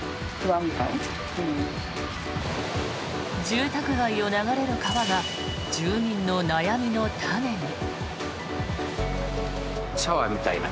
住宅街を流れる川が住民の悩みの種に。